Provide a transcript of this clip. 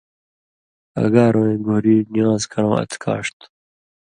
اگار وَیں گھُری نِوان٘ز کرؤں اڅھکاݜ تھُو۔